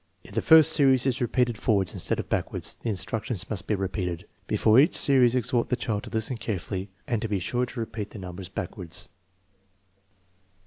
If the first series is repeated forwards instead of back wards, the instructions must be repeated. Before each series exhort the child to listen carefully and to be sure to repeat the numbers backwards.